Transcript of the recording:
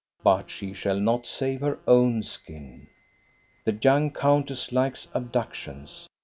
But she shall not save her own skin. The young countess likes abductions.